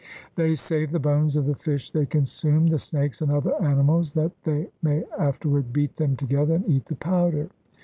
They save the bones of the fish they consume, the snakes and other animals, that they may after ward beat them together and eat the powder."